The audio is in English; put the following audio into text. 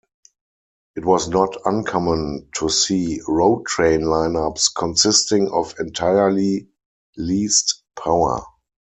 It was not uncommon to see road train line-ups consisting of entirely leased power.